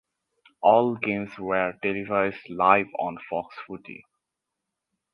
All games were televised live on Fox Footy.